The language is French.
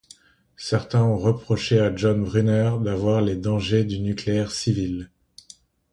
Certains ont reproché à John Brunner d'avoir les dangers du nucléaire civil.